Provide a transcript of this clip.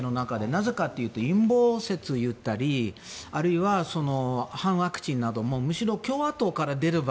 なぜかというと陰謀説を言ったりあるいは、反ワクチンなどもむしろ共和党から出れば